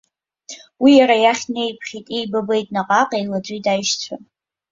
Уи иара иахь днеиԥхьеит, еибабеит, наҟ-ааҟ еилаҵәеит аишьцәа!